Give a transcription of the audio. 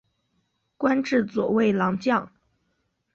官至左卫郎将。